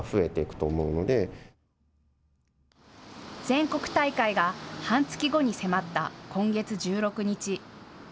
全国大会が半月後に迫った今月１６日。